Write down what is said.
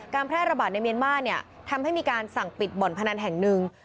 แพร่ระบาดในเมียนมาร์เนี่ยทำให้มีการสั่งปิดบ่อนพนันแห่งหนึ่ง